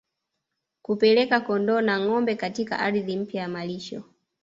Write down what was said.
Kupeleka kondoo na ngombe katika ardhi mpya ya malisho